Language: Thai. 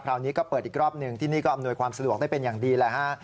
นี้ก็เปิดอีกรอบหนึ่งที่นี่ก็อำนวยความสะดวกได้เป็นอย่างดีแหละฮะ